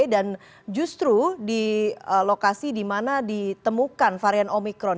dan justru di lokasi di mana ditemukan varian omikron